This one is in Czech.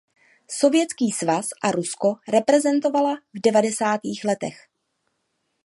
Sovětský svaz a Rusko reprezentovala v devadesátých letech.